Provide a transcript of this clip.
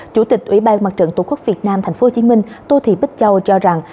chủ tịch ủy ban mặt trận tổ quốc việt nam tp hcm tô thị bích châu cho rằng